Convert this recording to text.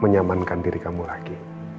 menyamankan diri kamu lagi